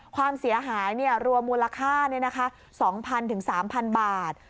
ความเสียหายรวมมูลค่า๒๐๐๐๓๐๐บาท